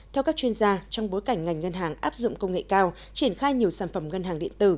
theo các chuyên gia trong bối cảnh ngành ngân hàng áp dụng công nghệ cao triển khai nhiều sản phẩm ngân hàng điện tử